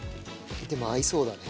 でも合いそうだね。